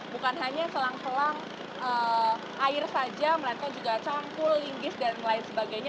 bukan hanya selang selang air saja melainkan juga cangkul linggis dan lain sebagainya